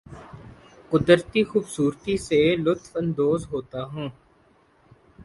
قدرتی خوبصورتی سے لطف اندوز ہوتا ہوں